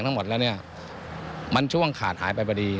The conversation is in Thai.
วิธีการเรียกว่ามันช่วงขาดหายไปประดี